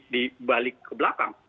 di balik ke belakang